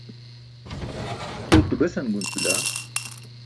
kʰuulto besan gunc bila